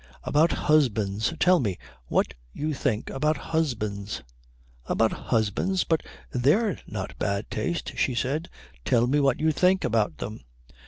"About husbands. Tell me what you think about husbands." "About husbands? But they're not bad taste," she said. "Tell me what you think about them."